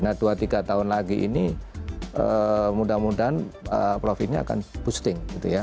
nah dua tiga tahun lagi ini mudah mudahan prof ini akan boosting gitu ya